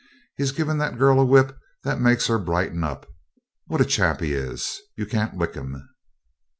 'He's given that girl a whip that makes her brighten up. What a chap he is; you can't lick him.'